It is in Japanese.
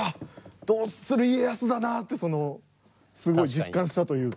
「どうする家康」だなってそのすごい実感したというか。